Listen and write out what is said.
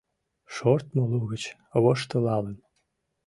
Шортмо лугыч, воштылалын.